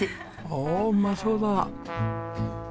おおうまそうだ。